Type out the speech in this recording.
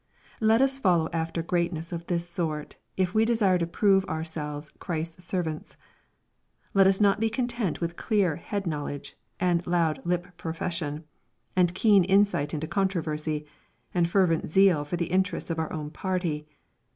Let us follow after greatness of this sort, if we desire to prove ourselves Christ's servants. Let us not be con tent with clear head kijowledge, and loud lip profossion, and keen insight into controversy, and fervent zeal for the interests of our own party.